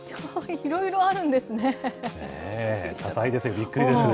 いろいろあるんですね。